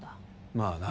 まあな。